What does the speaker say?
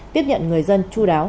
tiết nhận người dân chú đáo và áp dụng